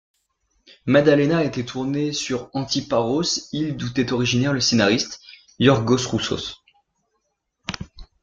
Maddalena a été tourné sur Antiparos, île d'où était originaire le scénariste, Yorgos Roussos.